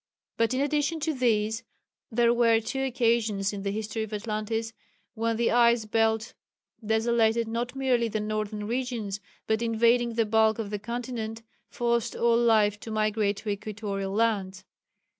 But in addition to these there were two occasions in the history of Atlantis when the ice belt desolated not merely the northern regions, but, invading the bulk of the continent, forced all life to migrate to equatorial lands.